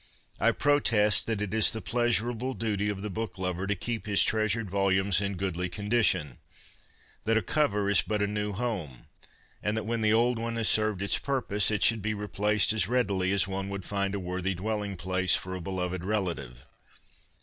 I protest that it is the pleasurable duty of the book lover to keep his BOOKS THAT TEMPT 39 treasured volumes in goodly condition ; that a cover is but a new home, and that when the old one has served its purpose it should be replaced as readily as one would find a worthy dwelling place for a beloved relative.